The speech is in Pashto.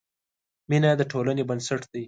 مینه د ټولنې بنسټ دی.